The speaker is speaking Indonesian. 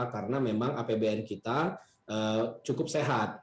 karena memang apbn kita cukup sehat